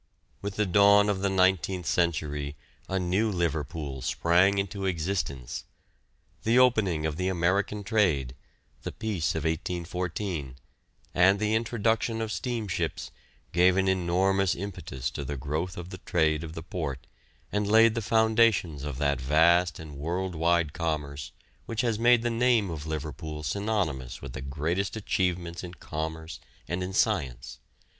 With the dawn of the nineteenth century a new Liverpool sprang into existence. The opening of the American trade, the peace of 1814, and the introduction of steamships, gave an enormous impetus to the growth of the trade of the port and laid the foundations of that vast and world wide commerce which has made the name of Liverpool synonymous with the greatest achievements in commerce and in science.